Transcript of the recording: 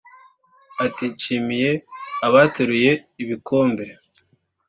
Ati “ Nshimiye abateruye ibikombe